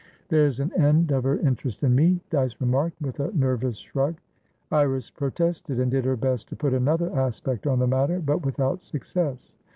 "There's an end of her interest in me," Dyce remarked, with a nervous shrug. Iris protested, and did her best to put another aspect on the matter, but without success.